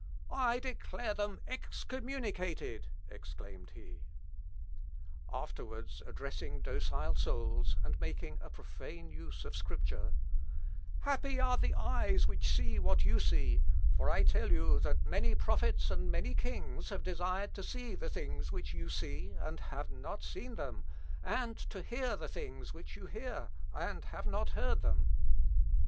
"I declare them excommunicated," exclaimed he. Afterwards addressing docile souls, and making a profane use of Scripture, "Happy are the eyes which see what you see; for I tell you, that many prophets and many kings have desired to see the things which you see, and have not seen them; and to hear the things which you hear, and have not heard them."